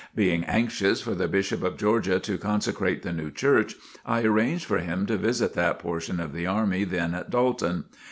Being anxious for the Bishop of Georgia to consecrate the new church, I arranged for him to visit that portion of the army then at Dalton.